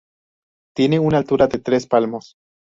Tiene una altura de tres palmos.